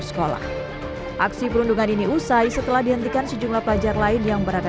sekolah aksi perundungan ini usai setelah dihentikan sejumlah pelajar lain yang berada